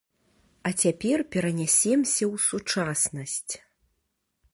А цяпер перанясемся ў сучаснасць.